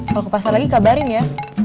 kalau ke pasar lagi kabarin ya